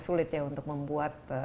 sulit ya untuk membuat